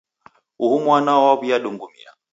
Uhu mwana waw'iadungumia.